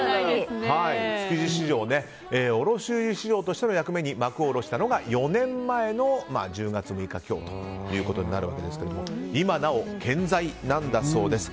築地市場、卸売市場としての役目に幕を下ろしたのが４年前の１０月６日今日となりますが今なお健在なんだそうです。